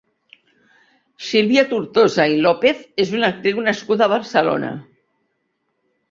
Sílvia Tortosa i López és una actriu nascuda a Barcelona.